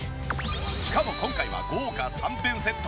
しかも今回は豪華３点セット。